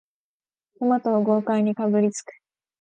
トマトを豪快にかぶりつく